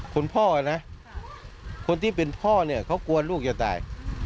พ่อนะคนที่เป็นพ่อเนี่ยเขากลัวลูกจะตาย